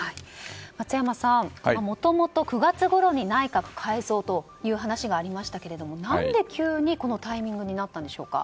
松山さん、もともと９月ごろに内閣改造という話がありましたが何で急に、このタイミングになったんでしょうか？